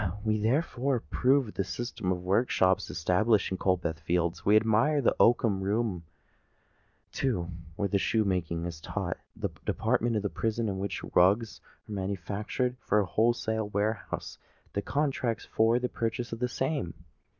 We therefore approve of the system of workshops established in Coldbath Fields: we admire the oakum room—the room, too, where shoe making is taught—and that department of the prison in which rugs are manufactured for a wholesale warehouse that contracts for the purchase of the same.